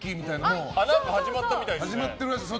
始まったみたいですね。